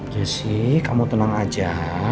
jessy kamu tenang aja